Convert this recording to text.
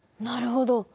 なるほど。